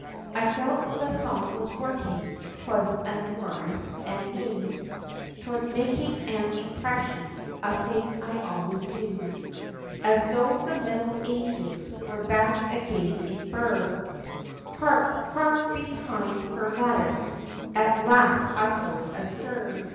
I felt the song was working, 'twas amorous, and new, 'Twas making an impression, a thing I always do, As tho' the middle ages, were back again in Birr, Hark! hark behind her lattice, at last I heard a stir!